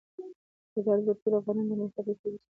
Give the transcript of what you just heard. زردالو د ټولو افغانانو د معیشت یوه طبیعي سرچینه ده.